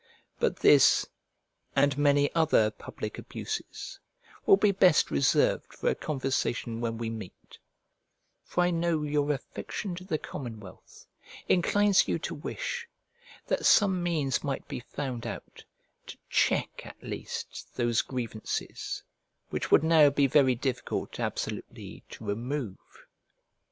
But this, and many other public abuses, will be best reserved for a conversation when we meet; for I know your affection to the commonwealth inclines you to wish that some means might be found out to check at least those grievances, which would now be very difficult absolutely to remove.